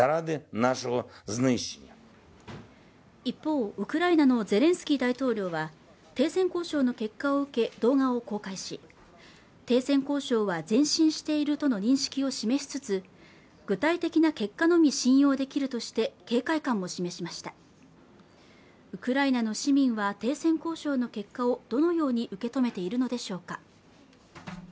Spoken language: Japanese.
一方ウクライナのゼレンスキー大統領は停戦交渉の結果を受け動画を公開し停戦交渉は前進しているとの認識を示しつつ具体的な結果のみ信用できるとして警戒感も示しましたウクライナの市民は停戦交渉の結果をどのように受け止めているのでしょうか